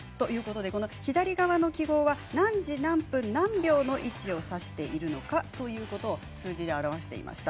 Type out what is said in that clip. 左側の記号は何時何分何秒の位置を指しているのかということを数字で表していました。